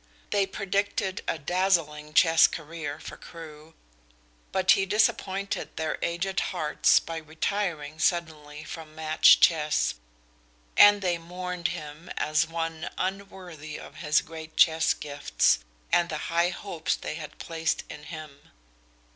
They predicted a dazzling chess career for Crewe, but he disappointed their aged hearts by retiring suddenly from match chess, and they mourned him as one unworthy of his great chess gifts and the high hopes they had placed in him.